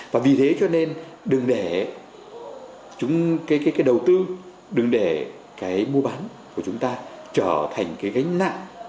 và vì thế cho nên đừng để cái đầu tư đừng để cái mua bán của chúng ta trở thành cái gánh nặng